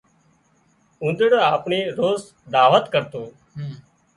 اونۮيڙو آپڻي روز دعوت ڪرتو